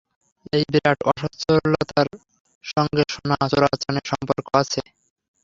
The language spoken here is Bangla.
এই বিরাট অস্বচ্ছতার সঙ্গে সোনা চোরাচালানের সম্পর্ক আছে।